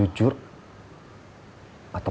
karena aku pengen tahu